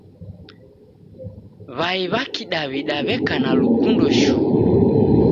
W'ai w'a kidaw'ida w'eka na lukundo shuu.